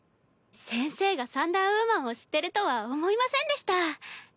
先生がサンダーウーマンを知ってるとは思いませんでした。